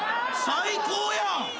最高やん。